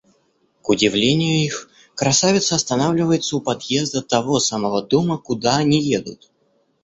К удивлению их, красавица останавливается у подъезда того самого дома, куда они едут.